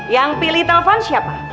yang pilih telepon siapa